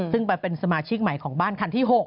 ซึ่งไปเป็นสมาชิกใหม่ของบ้านคันที่๖